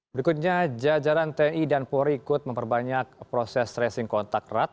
berikutnya jajaran tni dan polri ikut memperbanyak proses tracing kontak erat